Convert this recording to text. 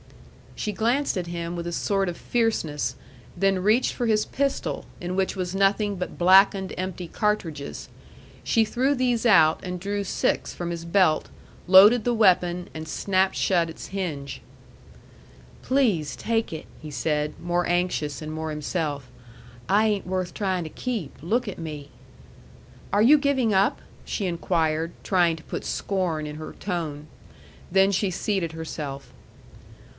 She glanced at him with a sort of fierceness, then reached for his pistol, in which was nothing but blackened empty cartridges. She threw these out and drew six from his belt, loaded the weapon, and snapped shut its hinge. "Please take it," he said, more anxious and more himself. "I ain't worth tryin' to keep. Look at me!" "Are you giving up?" she inquired, trying to put scorn in her tone. Then she seated herself.